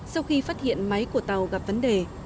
sau khi phát hiện máy của tàu gặp vấn đề